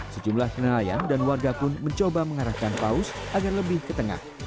sejumlah nelayan dan warga pun mencoba mengarahkan paus agar lebih ke tengah